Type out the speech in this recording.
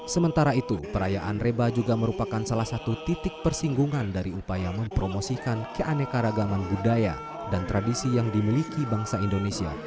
sementara itu perayaan reba juga merupakan salah satu titik persinggungan dari upaya mempromosikan keanekaragaman budaya dan tradisi yang dimiliki bangsa indonesia